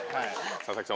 佐々木さん